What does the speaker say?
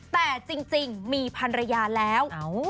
แต่จริงมีพันรยาแล้ว